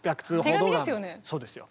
そうですよ。